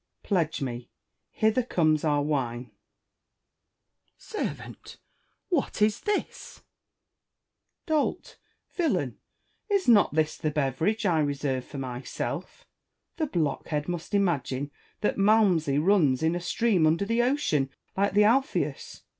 Pledge me : hither comes our wine. [To the Servant. Dolt ! villain ! is not this the beverage I reserve for myself 1 The blockhead must imagine that Malmsey runs in a stream under the ocean, like the Alpheus.